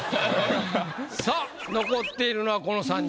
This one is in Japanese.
さあ残っているのはこの３人。